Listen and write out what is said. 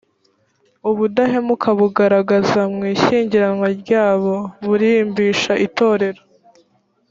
ubudahemuka bagaragaza mu ishyingiranwa ryabo burimbisha itorero